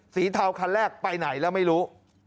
เทาคันแรกไปไหนแล้วไม่รู้